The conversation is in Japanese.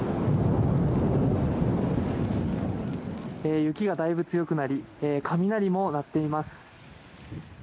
雪がだいぶ強くなり雷も鳴っています。